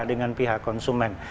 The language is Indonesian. dengan pihak konsumen